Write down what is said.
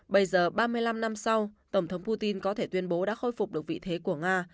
bây giờ ba mươi năm năm sau tổng thống putin có thể tuyên bố đã khôi phục được vị thế của nga